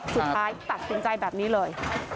สุดท้ายตัดสินใจแบบนี้เลย